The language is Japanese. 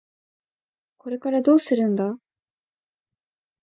これからどうするんだ？